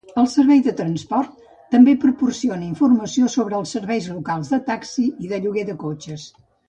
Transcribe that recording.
El Servei de Transport també proporciona informació sobre els serveis locals de taxi i de lloguer de cotxes.